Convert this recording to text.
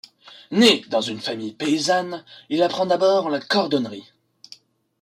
Né dans une famille paysanne, il apprend d’abord la cordonnerie.